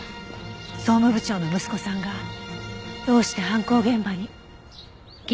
総務部長の息子さんがどうして犯行現場に？